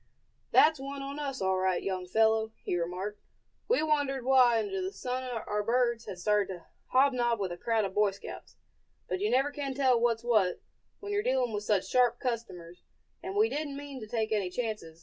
"That's one on us, all right, young fellow," he remarked. "We wondered why under the sun our birds had started to hobnob with a crowd of Boy Scouts; but you never can tell what's what, when you're dealing with such sharp customers, and we didn't mean to take any chances.